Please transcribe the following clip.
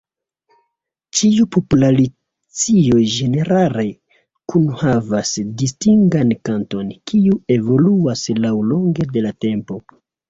Ĉiu populacio ĝenerale kunhavas distingan kanton, kiu evoluas laŭlonge de la tempo.